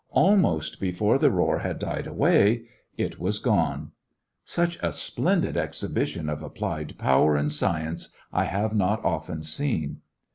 Almost before the roar had died away it was gone. Such a splendid exhibition of applied power and science I have not often seen.